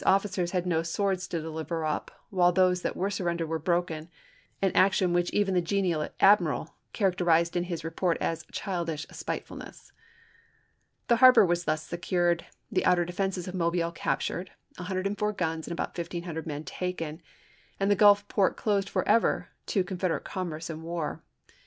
x. officers had no swords to deliver up, while those that were surrendered were broken; an action secretary which even the genial admiral characterized in his Navy, i864; & p. 473. report as " childish spitefulness." The harbor was thus secured, the outer defenses Aug., 1864. of Mobile captured, 104 guns and about 1500 men taken, and the great Gulf port closed forever to Confederate commerce and war.